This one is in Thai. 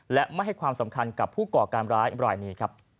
และไม่ให้ความสำคัญกับผู้ก่อการร้ายรายนี้ครับ